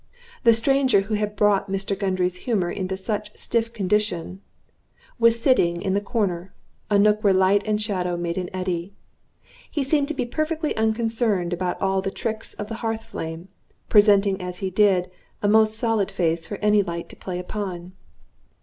The stranger who had brought Mr. Gundry's humor into such stiff condition was sitting in the corner, a nook where light and shadow made an eddy. He seemed to be perfectly unconcerned about all the tricks of the hearth flame, presenting as he did a most solid face for any light to play upon.